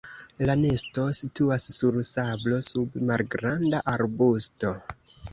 La nesto situas sur sablo sub malgranda arbusto.